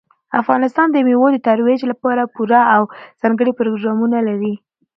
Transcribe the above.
افغانستان د مېوو د ترویج لپاره پوره او ځانګړي پروګرامونه لري.